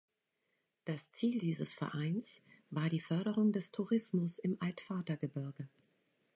Das Ziel dieses Vereins war die Förderung des Tourismus im Altvatergebirge.